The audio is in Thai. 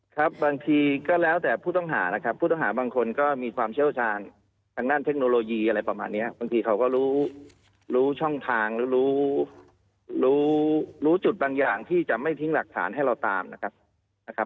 ครับบางทีก็แล้วแต่ผู้ต้องหานะครับผู้ต้องหาบางคนก็มีความเชี่ยวชาญทางด้านเทคโนโลยีอะไรประมาณเนี้ยบางทีเขาก็รู้รู้ช่องทางหรือรู้รู้จุดบางอย่างที่จะไม่ทิ้งหลักฐานให้เราตามนะครับนะครับ